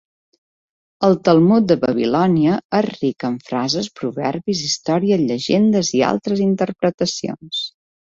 El Talmud de Babilònia, és ric en frases, proverbis, històries, llegendes i altres interpretacions.